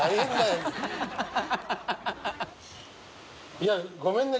いやごめんね